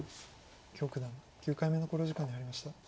許九段９回目の考慮時間に入りました。